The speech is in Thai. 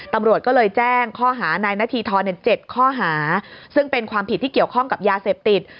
ตำรวจก็เลยแจ้งข้อหานายนาธีทร๗ข้อหาซึ่งเป็นความผิดที่เกี่ยวข้องกับยาเสพติด